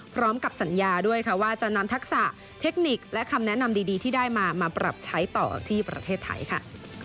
พร้อมกับสัญญาด้วยค่ะว่าจะนำทักษะเทคนิคและคำแนะนำดีที่ได้มามาปรับใช้ต่อที่ประเทศไทยค่ะ